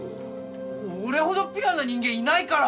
俺ほどピュアな人間いないから！